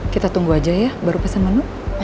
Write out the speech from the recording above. kita tunggu aja ya baru pesan menu